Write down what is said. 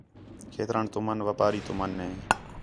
کھیتران تُمن وپاری تُمن ہے